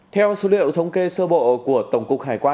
theo số liệu thống kê sơ bộ của tổng cục